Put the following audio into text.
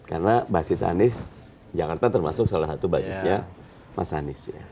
karena basis anis jakarta termasuk salah satu basisnya mas anis